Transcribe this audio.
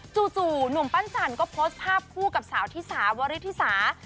จู่หนุ่มปั้นจันก็โพสต์ภาพคู่กับสาวธิสาวริธิสา